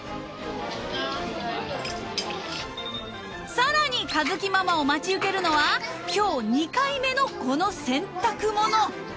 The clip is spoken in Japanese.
［さらに佳月ママを待ち受けるのは今日２回目のこの洗濯物］